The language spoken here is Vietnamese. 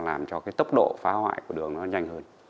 làm cho cái tốc độ phá hoại của đường nó nhanh hơn